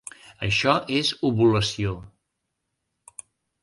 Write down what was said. Això és ovulació.